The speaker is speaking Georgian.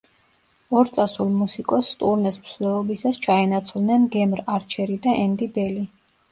ორ წასულ მუსიკოსს ტურნეს მსვლელობისას ჩაენაცვლნენ გემ არჩერი და ენდი ბელი.